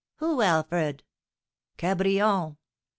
"Who, Alfred?" "_Cabrion!